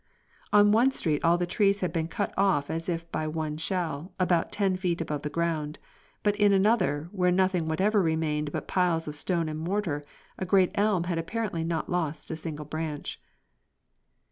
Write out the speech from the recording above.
On one street all the trees had been cut off as if by one shell, about ten feet above the ground, but in another, where nothing whatever remained but piles of stone and mortar, a great elm had apparently not lost a single branch.